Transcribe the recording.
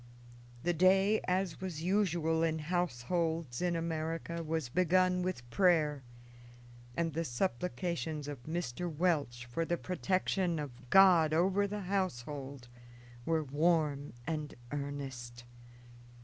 The day, as was usual in households in America, was begun with prayer, and the supplications of Mr. Welch for the protection of God over the household were warm and earnest.